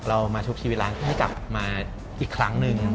เรามาทุกชีวิตร้านให้กลับมาอีกครั้งหนึ่ง